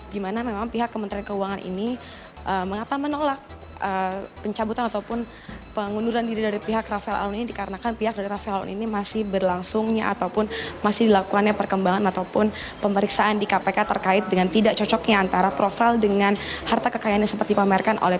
dimana memang pihak kementerian keuangan ini mengapa menolak pencabutan ataupun pengunduran diri dari pihak rafael alun ini dikarenakan pihak dari rafael ini masih berlangsungnya ataupun masih dilakukannya perkembangan ataupun pemeriksaan di kpk terkait dengan tidak cocoknya antara profil dengan harta kekayaan yang sempat dipamerkan oleh